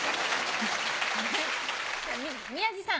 宮治さん。